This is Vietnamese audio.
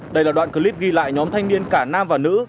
đây là đoạn clip ghi lại nhóm thanh niên cả nam và nữ